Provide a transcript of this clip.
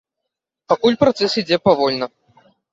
Пакуль працэс ідзе павольна.